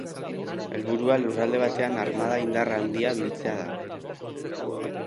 Helburua lurralde batean armada indar handia biltzea da.